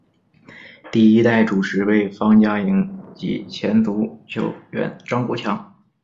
第一代主持为方嘉莹及前足球员张国强。